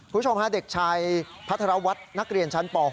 ผู้ชมฮาเด็กชายพัฒนาวัดนักเรียนชั้นป๖